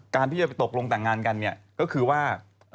การที่จะไปตกลงแต่งงานกันเนี่ยก็คือว่า